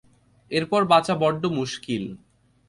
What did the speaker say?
এরপর বাঁচা বড্ড মুশকিল।